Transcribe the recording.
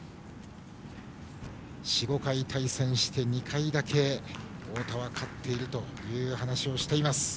４５回対戦して、２回だけ太田は勝っているという話をしています。